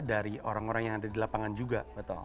dari orang orang yang ada di lapangan juga